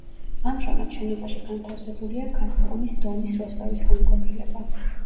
ამჟამად შენობაში განთავსებულია გაზპრომის დონის როსტოვის განყოფილება.